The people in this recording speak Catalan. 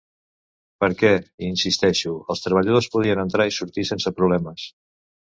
Perquè, hi insisteixo, els treballadors podien entrar i sortir sense problemes.